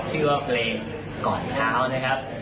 ชื่อว่าเพลงก่อนเช้านะครับ